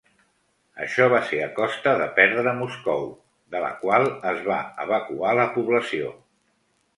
Això va ser a costa de perdre Moscou, de la qual es va evacuar la població.